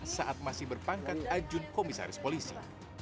saat masih berpangkat ajun komisaris polisi